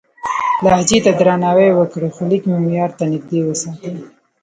لهجې ته درناوی وکړئ، خو لیک مو معیار ته نږدې وساتئ.